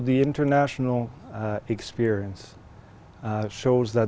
đảm bảo rằng có nhiều phương pháp